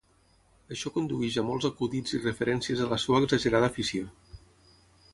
Això condueix a molts acudits i referències a la seva exagerada afició.